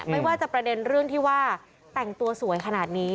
ไม่ว่าจะประเด็นเรื่องที่ว่าแต่งตัวสวยขนาดนี้